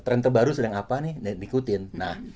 trend terbaru sedang apa nih ikutin